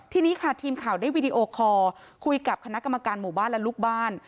ทีนี้ค่ะทีมข่าวได้วีดีโอคอร์คุยกับคณะกรรมการหมู่บ้านและลูกบ้าน